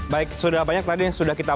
baik sudah banyak tadi yang sudah kita